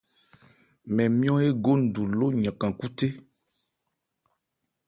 Mɛn nmyɔ̂n égo ńdu ló yankan-khúthé.